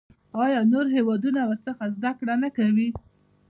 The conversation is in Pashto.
آیا نور هیوادونه ورڅخه زده کړه نه کوي؟